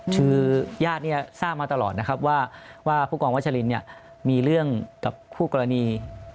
คือยาดที่ทราบมาตลอดว่าผู้กองวัชลินมีเรื่องกับผู้กรณี